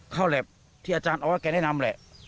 เข้าแต่อาจารย์ออดให้ได้นำแหละ